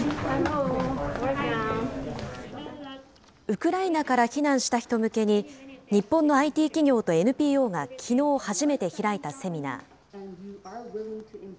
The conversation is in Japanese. ウクライナから避難した人向けに、日本のＩＴ企業とＮＰＯがきのう初めて開いたセミナー。